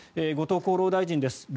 後藤厚労大臣です。